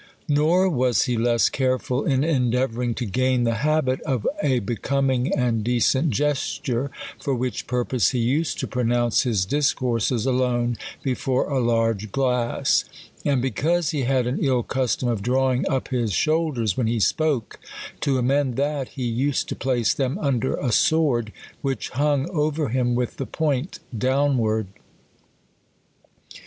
Nor was he less careful in endeavouring to gain the habit of a becoming and decent gesture; for which purpose he used to pronounce his discourses alone before a large glass. And because he had an ill custom of drawing up his shoulders when he spoke, to amend that,, lie used to place them under a swoixl, which hung over him with the point downv/ard.